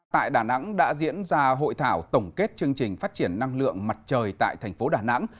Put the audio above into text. tại đà nẵng đã diễn ra hội thảo tổng kết chương trình phát triển năng lượng mặt trời tại thành phố đà nẵng